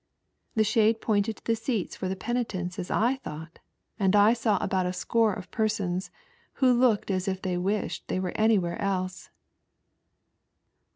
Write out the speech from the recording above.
The shade pointed to the seats for the penitents as / thought, and I saw about a score of persons who looked as if they wished they were anywhere else.